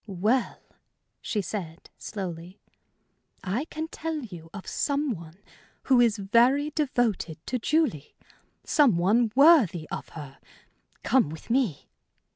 "Well," she said, slowly, "I can tell you of some one who is very devoted to Julie some one worthy of her. Come with me."